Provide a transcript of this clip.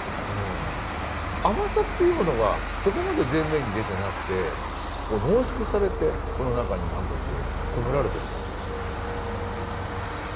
甘さっていうものはそこまで前面に出てなくて濃縮されてこの中に何かこう込められてる感じがする。